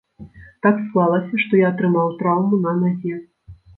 Так склалася, што я атрымаў траўму на назе.